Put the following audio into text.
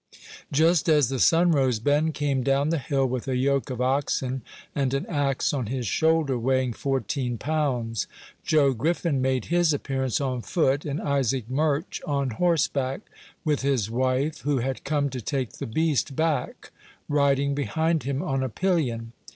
Just as the sun rose, Ben came down the hill with a yoke of oxen, and an axe on his shoulder weighing fourteen pounds. Joe Griffin made his appearance on foot, and Isaac Murch on horseback, with his wife (who had come to take the beast back) riding behind him on a pillion.